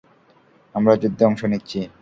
আমরা যুদ্ধে অংশ নিচ্ছি!